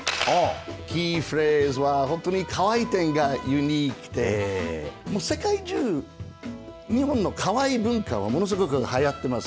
キーフレーズは本当にかわいい点がユニークで世界中、日本のかわいい文化ものすごく流行ってます。